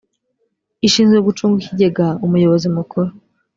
ishinzwe gucunga ikigega umuyobozi mukuru